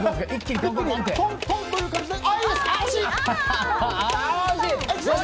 トントンという感じで。